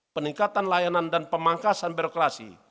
peningkatan layanan dan pemangkasan birokrasi